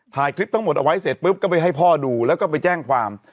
ถ่ายคลิปทั้งหมดเอาไว้เสร็จปุ๊บก็ไปให้พ่อดูแล้วก็ไปแจ้งความ